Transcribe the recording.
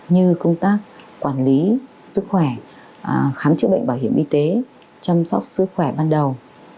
như công tác quản lý sức khỏe khám chữa bệnh bảo hiểm y tế chăm sóc sức khỏe ban đầu